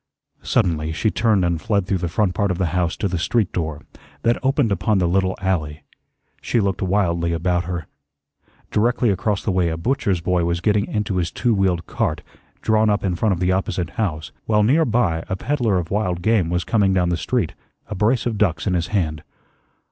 Suddenly she turned and fled through the front part of the house to the street door, that opened upon the little alley. She looked wildly about her. Directly across the way a butcher's boy was getting into his two wheeled cart drawn up in front of the opposite house, while near by a peddler of wild game was coming down the street, a brace of ducks in his hand.